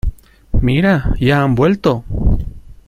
Mira, ya han vuelto.